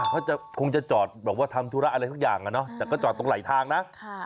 เค้าจะคงจะจอดบอกว่าทำธุระอะไรสักอย่างนะแต่ก็จอดปุ๊บหลายทางนะ